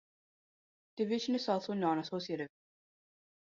Division is also non-associative.